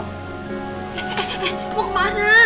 eh eh eh mau kemana